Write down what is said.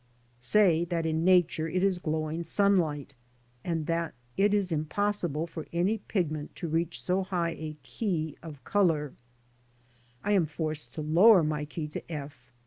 Say that in Nature it is glowing sunlight, and that it is impossible for any pigment to reach so high a key of colour, I am forced to lower my key to , "F."